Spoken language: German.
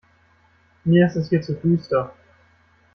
Mir ist es hier zu duster.